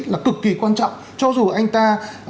là cực kỳ quan trọng cho dù anh ta